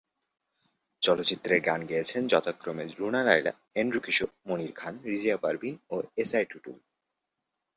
চলচ্চিত্রের গান গেয়েছেন, যথাক্রমে রুনা লায়লা, এন্ড্রু কিশোর, মনির খান, রিজিয়া পারভীন ও এস আই টুটুল।